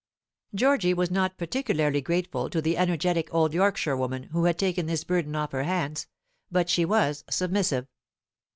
Georgy was not particularly grateful to the energetic old Yorkshirewoman who had taken this burden off her hands, but she was submissive.